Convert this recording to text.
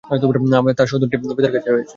তার সহোদরটি পিতার কাছে রয়েছে।